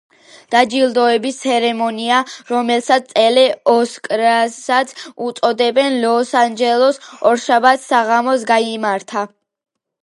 დაჯილდოების ცერემონია, რომელსაც ტელე-ოსკარსაც უწოდებენ, ლოს-ანჯელესში ორშაბათს საღამოს გაიმართა.